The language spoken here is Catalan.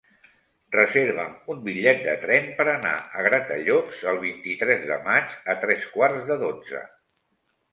Reserva'm un bitllet de tren per anar a Gratallops el vint-i-tres de maig a tres quarts de dotze.